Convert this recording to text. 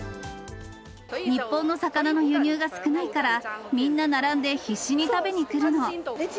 日本の魚の輸入が少ないから、みんな並んで、必死に食べに来るの。